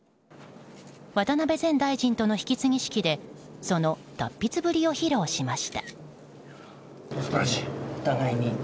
渡辺前大臣との引き継ぎ式でその達筆ぶりを披露しました。